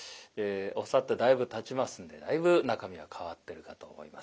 教わってだいぶたちますんでだいぶ中身は変わってるかと思いますが。